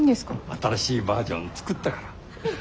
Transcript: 新しいバージョン作ったから。